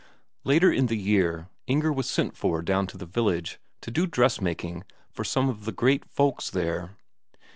Later in the year Inger was sent for down to the village, to do dressmaking for some of the great folks there.